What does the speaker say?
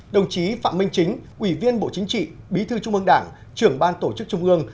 đồng chí phạm minh chính ủy viên bộ chính trị bí thư trung ương đảng trưởng ban tổ chức trung ương